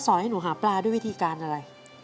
ให้หนูหาปลาด้วยวิธีการอะไร